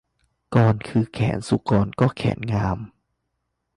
กรคือแขน สุกรก็แขนงาม